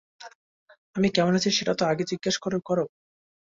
আমি কেমন আছি সেটা তো আগে জিজ্ঞেস করো।